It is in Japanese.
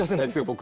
僕。